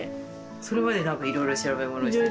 それまで何かいろいろ調べ物してるの？